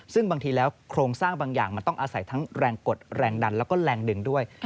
ซึ่งบางทีแล้วโครงสร้างบางอย่างจะอาศัยแรงดึงแรงกดแรงดันด้วย